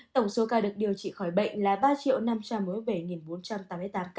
tổng số ca được điều trị khỏi bệnh là ba năm trăm một mươi bảy bốn trăm tám mươi tám ca